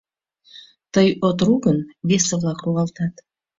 Тый от ру гын, весе-влак руалтат.